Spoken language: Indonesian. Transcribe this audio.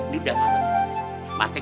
nidah mati gue nanti